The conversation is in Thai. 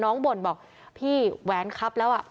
บ่นบอกพี่แหวนครับแล้ว